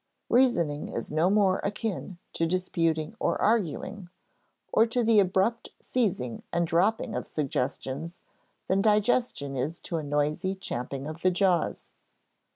Reasoning is no more akin to disputing or arguing, or to the abrupt seizing and dropping of suggestions, than digestion is to a noisy champing of the jaws.